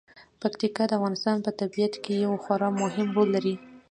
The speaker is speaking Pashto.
پکتیکا د افغانستان په طبیعت کې یو خورا مهم رول لري.